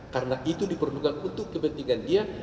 karena itu diperlukan untuk kepentingan dia